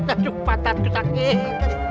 jatuh gatal sakit